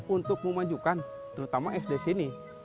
untuk memajukan terutama sd sini